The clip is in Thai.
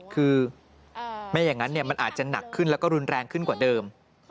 คือไม่อย่างนั้นมันอาจจะหนักขึ้นแล้วก็รุนแรงขึ้นกว่าเดิม